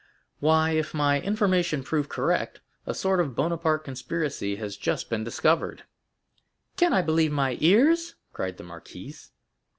"Why, if my information prove correct, a sort of Bonapartist conspiracy has just been discovered." "Can I believe my ears?" cried the marquise.